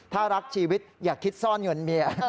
ถ้ารักชีวิตอย่าคิดซ่อนเงินเมีย